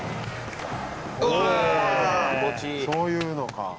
そういうのか。